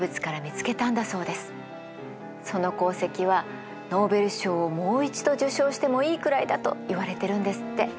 その功績はノーベル賞をもう一度受賞してもいいくらいだといわれてるんですって。